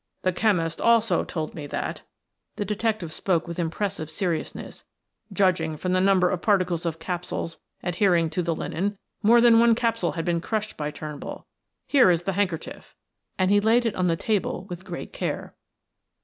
"The chemist also told me that" the detective spoke with impressive seriousness, "judging from the number of particles of capsules adhering to the linen, more than one capsule had been crushed by Turnbull. Here is the handkerchief," and he laid it on the table with great care.